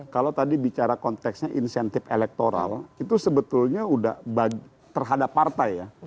kalau tadi bicara konteksnya insentif elektoral itu sebetulnya sudah terhadap partai ya